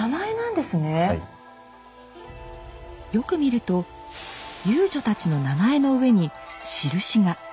よく見ると遊女たちの名前の上に印が。